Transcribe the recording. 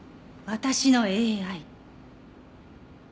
「私のＡＩ」？